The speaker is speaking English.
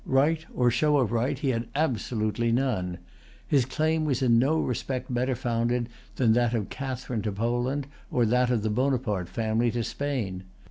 Right, or show of right, he had absolutely none. His claim was in no respect better founded than that of Catherine to Poland, or that of the Bonaparte family to Spain.